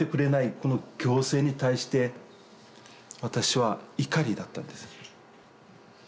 この行政に対して私は怒りだったんです。